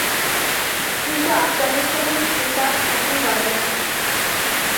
কিন্তু আফগানিস্তানে হুতাক শাসন বজায় ছিল।